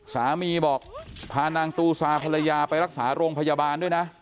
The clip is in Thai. สามีบอกพานางตูซาภรรยาไปรักษาโรงพยาบาลด้วยนะ